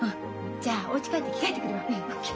じゃあおうち帰って着替えてくるわ。ＯＫ！